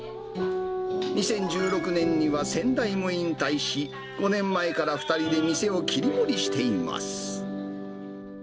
２０１６年には先代も引退し、５年前から２人で店を切り盛りしています。